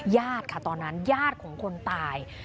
ย่าดค่ะตอนนั้นย่าดของคนตาย